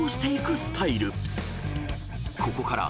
［ここから］